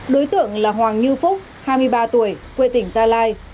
đối tượng là hoàng như phúc hai mươi ba tuổi quê tỉnh gia lai